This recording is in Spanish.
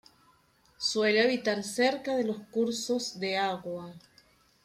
Suele habitar cerca de los cursos de agua.